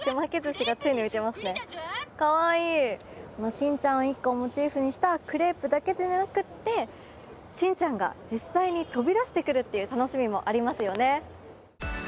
しんちゃん一家をモチーフにしたクレープだけじゃなくってしんちゃんが実際に飛び出してくるっていう楽しみもありますよね。